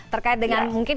terkait dengan mungkin